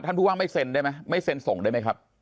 ผู้ว่าไม่เซ็นได้ไหมไม่เซ็นส่งได้ไหมครับ